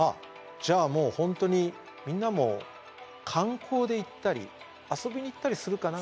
じゃあもう本当にみんなも観光で行ったり遊びに行ったりするかな？